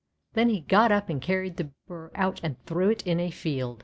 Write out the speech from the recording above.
Then he got up, and carried the Burr out and threw it in a field.